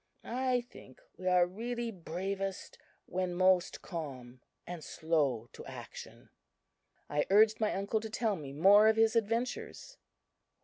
I think we are really bravest when most calm and slow to action." I urged my uncle to tell me more of his adventures.